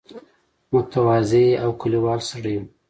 متواضع او کلیوال سړی وو.